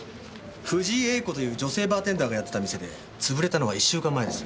藤井詠子という女性バーテンダーがやってた店で潰れたのが１週間前です。